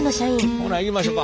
ほないきましょか。